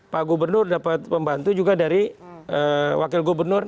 pak gubernur dapat membantu juga dari wakil gubernur